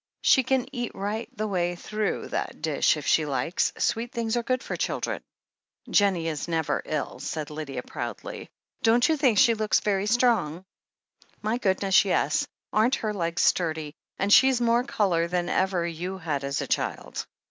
She can eat right the way through that dish if she likes — ^sweet things are good for children." "Jennie is never ill," said Lydia proudly. "Don't you think she looks very strong?" "My goodness, yes! Aren't her legs sturdy — ^and she's more colour than ever you had as a child."